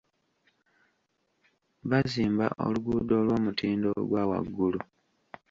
Bazimba oluguudo olw'omutindo ogwa waggulu.